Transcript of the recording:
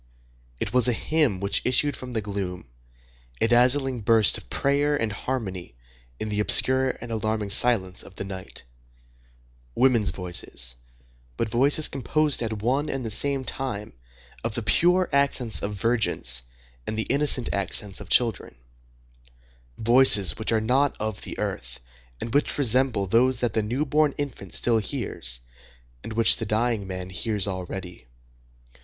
It was a hymn which issued from the gloom, a dazzling burst of prayer and harmony in the obscure and alarming silence of the night; women's voices, but voices composed at one and the same time of the pure accents of virgins and the innocent accents of children,—voices which are not of the earth, and which resemble those that the newborn infant still hears, and which the dying man hears already.